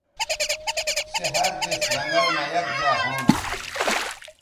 سے ہر دِس زنگل مہ یک زائے ہونہ